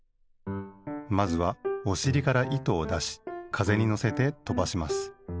まずはおしりから糸をだしかぜにのせてとばします。